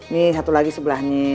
nih satu lagi sebelahnya